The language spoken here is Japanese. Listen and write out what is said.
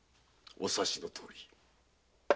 お察しのとおり。